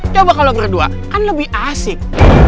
coba kalau berdua kan lebih asik